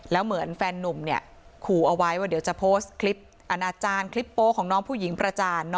แล้วเหมือนแฟนนุ่มเนี่ยขู่เอาไว้ว่าเวลาจะโพสต์คลิปปโปรปรประจาน